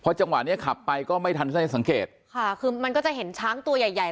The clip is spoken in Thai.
จังหวะเนี้ยขับไปก็ไม่ทันได้สังเกตค่ะคือมันก็จะเห็นช้างตัวใหญ่ใหญ่